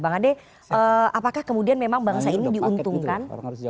apakah kemudian memang bangsa ini diuntungkan